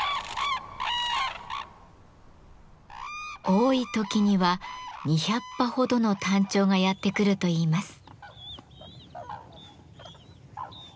多い時には２００羽ほどのタンチョウがやって来るといいます。